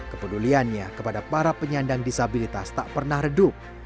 kepeduliannya kepada para penyandang disabilitas tak pernah redup